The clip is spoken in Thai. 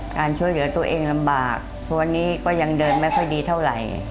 การช่วยเหลือตัวเองลำบากทุกวันนี้ก็ยังเดินไม่ค่อยดีเท่าไหร่